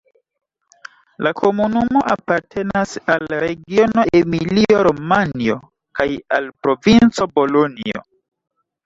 La komunumo apartenas al la regiono Emilio-Romanjo kaj al la provinco Bolonjo.